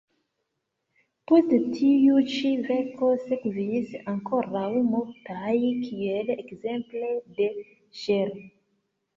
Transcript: Post tiu ĉi verko sekvis ankoraŭ multaj, kiel ekzemple de Chr.